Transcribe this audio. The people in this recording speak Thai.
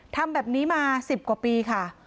ทำแบบนี้มา๑๐กว่าปีค่ะ